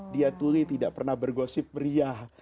dia tuli tidak pernah bergosip meriah